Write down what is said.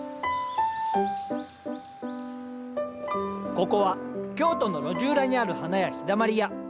ここは京都の路地裏にある花屋「陽だまり屋」。